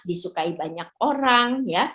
disukai banyak orang ya